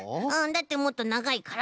だってもっとながいから。